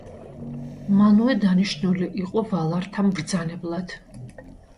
მანუე დანიშნული იყო ვალართა მბრძანებლად.